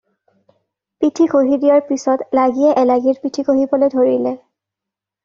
পিঠি ঘঁহি দিয়াৰ পিছত লাগীয়ে এলাগীৰ পিঠি ঘঁহিবলৈ ধৰিলে।